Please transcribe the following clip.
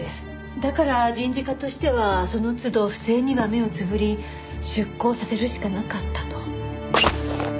だから人事課としてはその都度不正には目をつぶり出向させるしかなかったと。